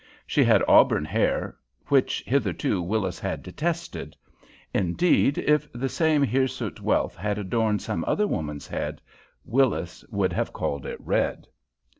She had auburn hair, which hitherto Willis had detested. Indeed, if the same hirsute wealth had adorned some other woman's head, Willis would have called it red.